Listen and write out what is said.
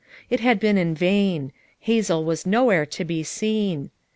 It had been in vain; Hazel was nowhere to be seen.